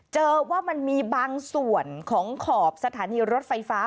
เจอว่ามันมีบางส่วนของขอบสถานีรถไฟฟ้า